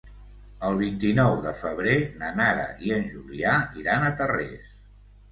El vint-i-nou de febrer na Nara i en Julià iran a Tarrés.